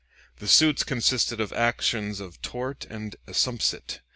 The suits consisted of actions of tort and assumpsit.